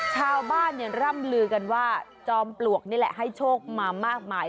ร่ำลือกันว่าจอมปลวกนี่แหละให้โชคมามากมาย